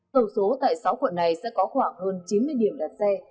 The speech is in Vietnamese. tổng số tại sáu quận này sẽ có khoảng hơn chín mươi điểm đặt xe